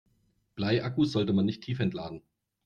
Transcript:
Bleiakkus sollte man nicht tiefentladen.